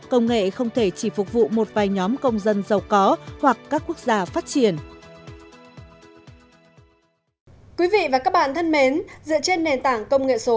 công nghệ không thể chỉ phục vụ một vài nhóm công dân giàu có hoặc các quốc gia phát triển